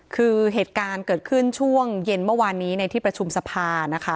คือเหตุการณ์เกิดขึ้นช่วงเย็นเมื่อวานนี้ในที่ประชุมสภานะคะ